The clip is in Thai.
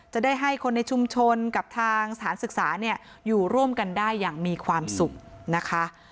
จะได้ให้คนในชุมชนกับทางสถานศึกษาอยู่ร่วมกันได้อย่างมีความสุขนะคะ